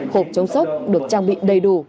hộp chống sốc được trang bị đầy đủ